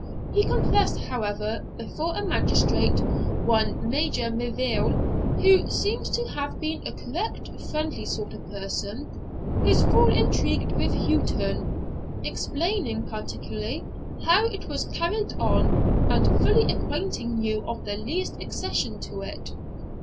He confessed, however, before a magistrate, one Major Melville, who seems to have been a correct, friendly sort of person, his full intrigue with Houghton, explaining particularly how it was carried on, and fully acquitting you of the least accession to it.